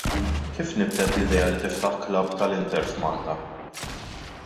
Kif nibtet l-idea li tiftaħ klabb tal-Inter f'Malta?